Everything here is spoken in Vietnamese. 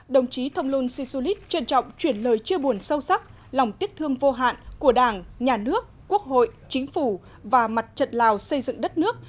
đồng chí thông luân si su lít trân trọng chuyển lời chia buồn sâu sắc lòng tiếc thương vô hạn của đảng nhà nước quốc hội chính phủ và mặt trận lào xây dựng đất nước